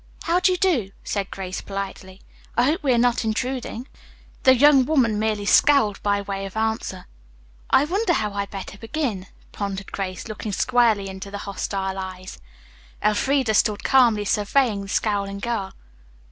"How do you do?" said Grace politely. "I hope we are not intruding." The young woman merely scowled by way of answer. "I wonder how I'd better begin," pondered Grace, looking squarely into the hostile eyes. Elfreda stood calmly surveying the scowling girl.